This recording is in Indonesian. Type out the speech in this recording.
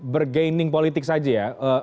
bergaining politik saja ya